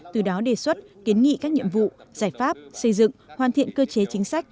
từ đó đề xuất kiến nghị các nhiệm vụ giải pháp xây dựng hoàn thiện cơ chế chính sách